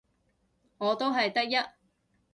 我都係得一